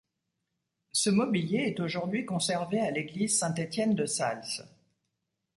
Ce mobilier est aujourd'hui conservé à l'église Saint-Étienne de Salses.